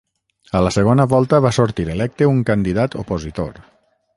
A la segona volta va sortir electe un candidat opositor.